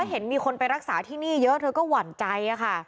เห็นมีคนไปรักษาที่นี่เยอะเธอก็หวั่นใจค่ะ